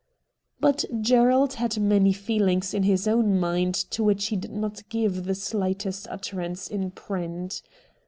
But Gerald had many feeUngs in his own mind to which he did not give the slightest utterance in print.